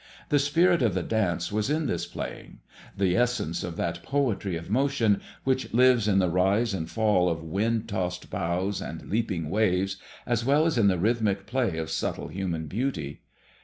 The spirit of the dance was in this playing; the essence of that poetry ot motion which lives in the rise and fall of wind tossed boughs and leaping waves, as well as in the rhythmic play of supple human beauty.